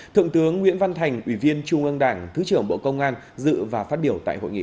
thượng tướng nguyễn văn thành ủy viên trung ương đảng thứ trưởng bộ công an dự và phát biểu tại hội nghị